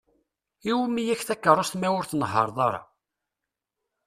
Iwumi-ak takeṛṛust ma ur tnehher-ḍ ara?